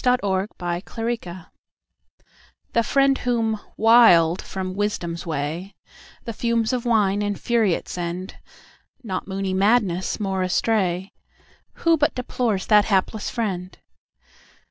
Remorseful Apology THE FRIEND whom, wild from Wisdom's way, The fumes of wine infuriate send,(Not moony madness more astray)Who but deplores that hapless friend?